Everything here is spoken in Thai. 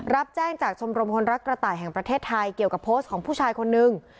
รับแจ้งจากชมรมคนรักกระต่ายแห่งประเทศไทยเกี่ยวกับโพสต์ของผู้ชายคนนึง